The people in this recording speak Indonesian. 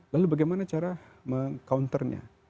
lalu bagaimana cara meng counternya